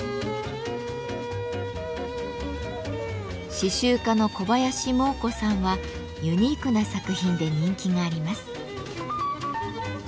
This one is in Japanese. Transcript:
刺繍家の小林モー子さんはユニークな作品で人気があります。